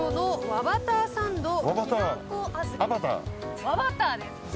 和バターです。